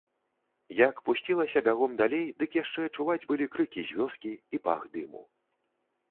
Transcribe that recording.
Як пусцілася бягом далей, дык яшчэ чуваць былі крыкі з вёскі і пах дыму.